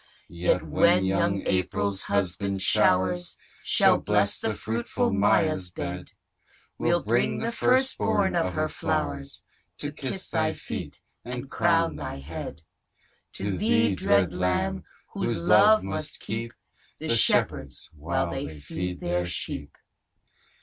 Yet when young April's husband showers Shall bless the fruitful Maia's bed, We'll bring the first born of her flowers, To kiss thy feet, and crown thy head. To thee (dread lamb) whose love must keep The shepherds, while they feed their sheep.